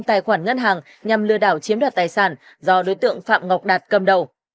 tài khoản ngân hàng nhằm lừa đảo chiếm đoạt tài sản do đối tượng phạm ngọc đạt cầm đầu